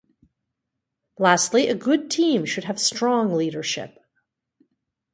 Lastly, a good team should have strong leadership.